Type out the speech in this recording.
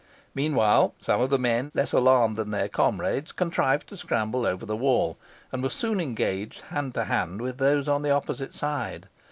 Meanwhile, some of the men, less alarmed than their comrade, contrived to scramble over the wall, and were soon engaged hand to hand with those on the opposite side.